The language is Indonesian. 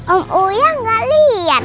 om uya gak liat